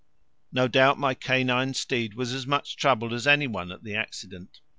No doubt my canine steed was as much troubled as any one at the accident.